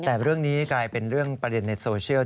แต่เรื่องนี้กลายเป็นเรื่องประเด็นในโซเชียล